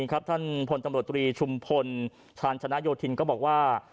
ท่านพลตำรวจตรีชุมพลชาญชนะโยธินก็บอกว่า